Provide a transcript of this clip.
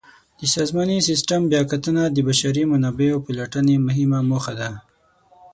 د سازماني سیسټم بیاکتنه د بشري منابعو پلټنې مهمه موخه ده.